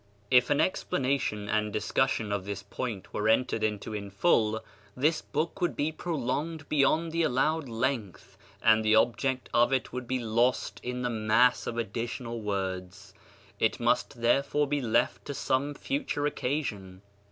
If an explanation and discussion of this point were entered into in full, this book would be pro longed beyond the allowed length and the object of it would be lost in the mass of additional words. It must therefore be left to some future occasion.